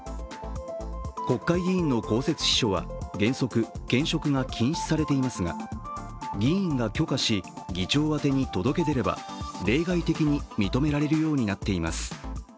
国会議員の公設秘書は原則、兼職が禁止されていますが議員が許可し、議長宛てに届け出れば例外的に認められるようになっています。